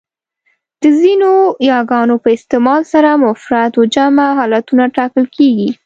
د ځینو یاګانو په استعمال سره مفرد و جمع حالتونه ټاکل کېږي.